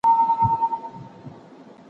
ایا د روسیې ملت په خپلو اتلانو باندې ویاړ کاوه؟